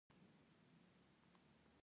ميرويس نيکه جنګي کلا ته ورغی.